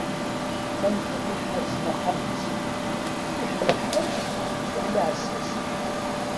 Tameṭṭut iḥerzen axxam-is, fiḥel lḥerz fiḥel aɛessas.